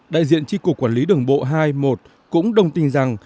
đại diện tri cục quản lý đường bộ hai mươi một cũng đồng tình rằng